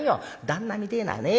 旦那みてえなね